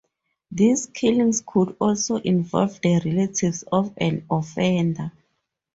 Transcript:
These killings could also involve the relatives of an offender.